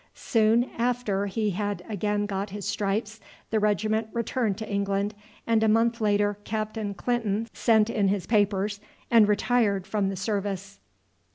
Soon after he had again got his stripes the regiment returned to England, and a month later Captain Clinton sent in his papers and retired from the service.